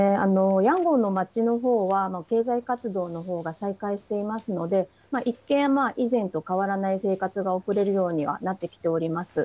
ヤンゴンの街のほうは、経済活動のほうが再開していますので、一見、以前と変わらない生活が送れるようにはなってきております。